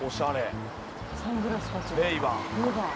サングラスたちが。